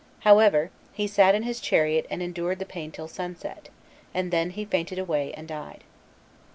However, he sat in his chariot and endured the pain till sunset, and then he fainted away and died.